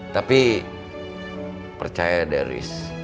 tapi percaya deh riz